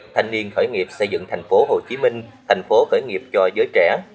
thanh niên khởi nghiệp xây dựng tp hcm thành phố khởi nghiệp cho giới trẻ